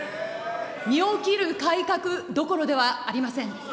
身を切る改革どころではありません。